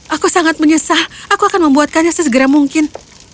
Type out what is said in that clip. aku sangat menyesal aku akan membuatkannya sesegera mungkin